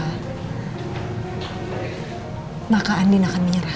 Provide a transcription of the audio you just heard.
hai maka andina akan menyerah